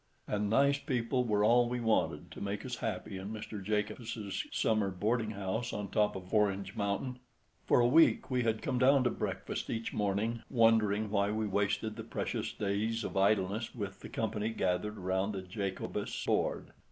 And nice people were all we wanted to make us happy in Mr. Jacobus's summer boarding house on top of Orange Mountain. For a week we had come down to breakfast each morning, wondering why we wasted the precious days of idleness with the company gathered around the Jacobus board.